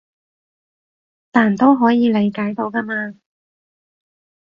但都可以理解到㗎嘛